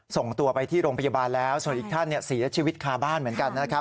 ส่งตัวไปที่โรงพยาบาลแล้วส่วนอีกท่านเสียชีวิตคาบ้านเหมือนกันนะครับ